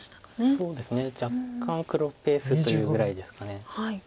そうですね若干黒ペースというぐらいですか。